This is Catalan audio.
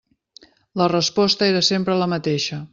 La resposta era sempre la mateixa.